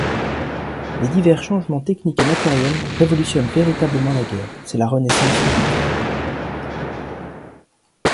Les divers changements techniques et matériels révolutionnent véritablement la guerre; c'est la Renaissance militaire.